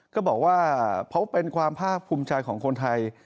ก็บอกว่าเพราะเป็นความภาคภูมิใจของคนไทย